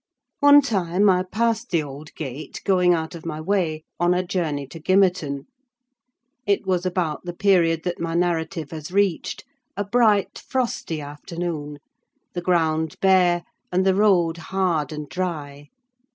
One time I passed the old gate, going out of my way, on a journey to Gimmerton. It was about the period that my narrative has reached: a bright frosty afternoon; the ground bare, and the road hard and dry.